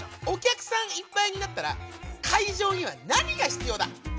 お客さんいっぱいになったら会場にはなにが必要だ？